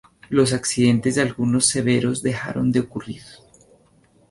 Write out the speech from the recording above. Los accidentes, algunos severos, dejaron de ocurrir.